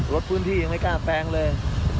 พื้นที่ยังไม่กล้าแปลงเลย